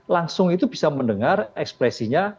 langsung itu bisa mendengar ekspresinya